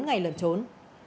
sau bốn ngày lần trốn